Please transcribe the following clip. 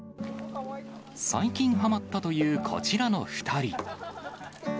最近はまったというこちらの２人。